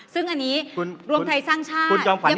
ซึ่งอันนี้รวมไทยสร้างชาติ